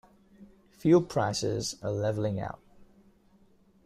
Fuel prices are leveling out.